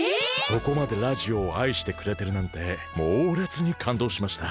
そこまでラジオをあいしてくれてるなんてもうれつにかんどうしました！